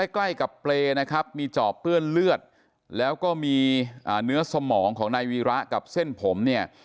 ใกล้กับเปรย์นะครับมีจอบเปื้อนเลือดแล้วก็มีเนื้อสมองของนายวีระกับเส้นผมเนี่ย